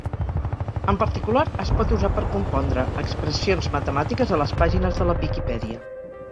En particular, es pot usar per compondre expressions matemàtiques a les pàgines de la Viquipèdia.